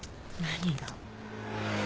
何が？